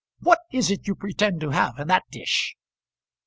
What is it you pretend to have in that dish?"